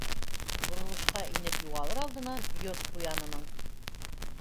Боролошҡа инеп юғалыр алдынан Йорт ҡуянының: